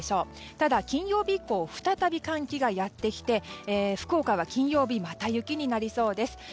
ただ、金曜日以降再び寒気がやってきて福岡は金曜日また雪になりそうです。